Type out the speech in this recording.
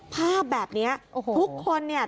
ภาพแบบนี้ทุกคนเนี่ย